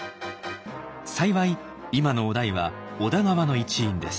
幸い今の於大は織田側の一員です。